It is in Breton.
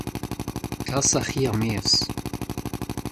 kas ar c'hi er-maez.